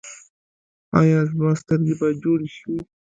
ایا زما سترګې به جوړې شي؟